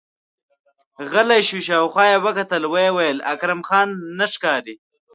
غلی شو، شاوخوا يې وکتل، ويې ويل: اکرم خان نه ښکاري!